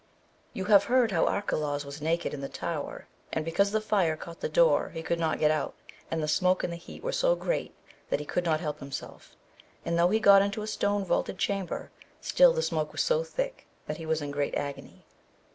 You have heard how Arcalaus was naked in the tower, and because the fire caught the door he could not get out, and the smoke and the heat were so great that he could not help himself, and though he got into a stone vaulted chamber still the smoke was so thick that he was in great agony.